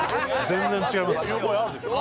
全然違いますよ。